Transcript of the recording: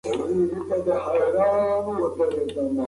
ميرويس خان نیکه د پښتنو د يووالي بنسټ کېښود.